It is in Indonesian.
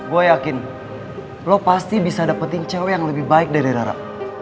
gue yakin lo pasti bisa dapetin cewek yang lebih baik dari rap